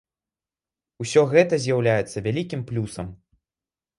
Усё гэта з'яўляецца вялікім плюсам.